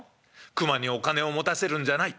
『熊にお金を持たせるんじゃない。